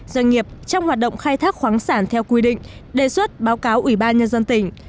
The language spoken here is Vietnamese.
doanh nghiệp trong hoạt động khai thác khoáng sản theo quy định đề xuất báo cáo ủy ban nhân dân tỉnh